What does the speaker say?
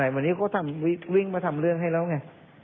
วันนี้เขาวิ่งมาทำเรื่องให้แล้วไง